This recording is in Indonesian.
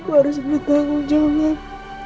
aku harus bertanggung jawab